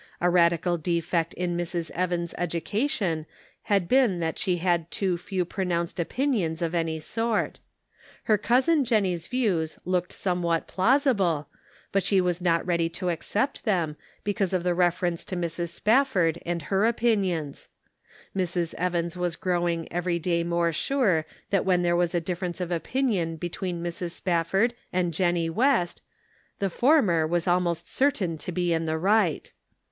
A radical defect in Mrs. Evans education had been that she had too few pronounced opinions of any sort. Her cousin Jennie's views looked some what plausible, but she was not ready to ac cept them, because of the reference to Mrs. Spafford and her opinions. Mrs. Evans was growing every day more sure that when there was a difference of opinion between Mrs. Spaf ford and Jennie West, the former was almost certain to be in the right.